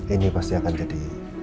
ini pasti akan jadi